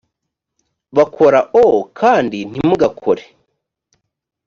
bakora o kandi ntimugakore